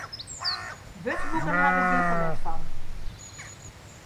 Wurdboeken haw ik gjin ferlet fan.